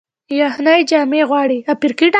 یخني جامې غواړي